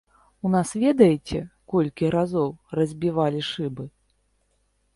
У нас ведаеце, колькі разоў разбівалі шыбы?